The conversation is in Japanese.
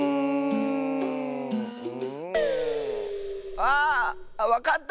あわかった！